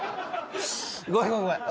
ごめんごめんごめん！